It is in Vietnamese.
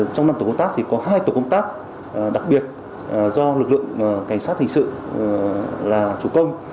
trong năm tổ công tác thì có hai tổ công tác đặc biệt do lực lượng cảnh sát hình sự là chủ công